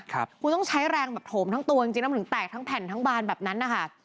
คุณต้องใช้แรงแบบโถมทั้งตัวจริงจริงแล้วมันถึงแตกทั้งแผ่นทั้งบานแบบนั้นนะคะ